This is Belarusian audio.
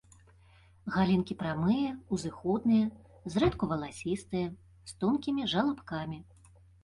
Галінкі прамыя, узыходныя, зрэдку валасістыя, з тонкімі жалабкамі.